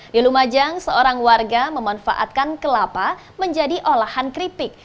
di lumajang seorang warga memanfaatkan kelapa menjadi olahan keripik